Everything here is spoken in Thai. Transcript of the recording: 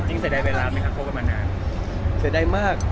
เชื่อนามและท่านอย่างที่ค่ะพบจะมานาน